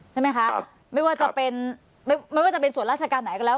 ใช่ไหมคะไม่ว่าจะเป็นไม่ว่าจะเป็นส่วนราชการไหนก็แล้ว